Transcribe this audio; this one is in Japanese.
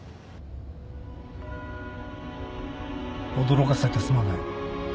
驚かせてすまない